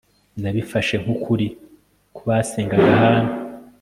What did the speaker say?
Nabifashe nkukuri ko basengaga Hana